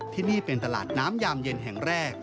ที่นี่เป็นตลาดน้ำยามเย็นแห่งแรก